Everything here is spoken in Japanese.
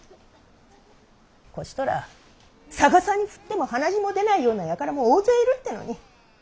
こちとら逆さに振っても鼻血も出ないような輩も大勢いるってのに。